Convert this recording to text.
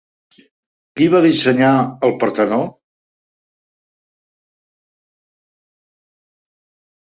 Qui va dissenyar el Partenó?